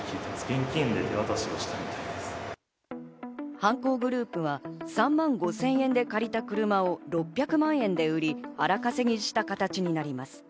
犯行グループは３万５０００円で借りた車を６００万円で売り、荒稼ぎした形になります。